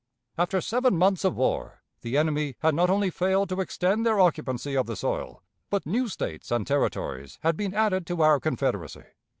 After seven months of war the enemy had not only failed to extend their occupancy of the soil, but new States and Territories had been added to our confederacy.